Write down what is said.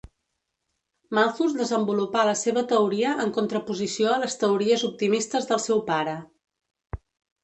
Malthus desenvolupà la seva teoria en contraposició a les teories optimistes del seu pare.